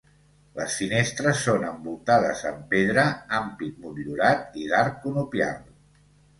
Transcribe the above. Les finestres són envoltades amb pedra, ampit motllurat i d’arc conopial.